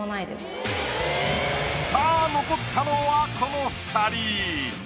さぁ残ったのはこの２人。